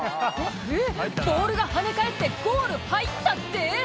「えっボールが跳ね返ってゴール入ったって⁉」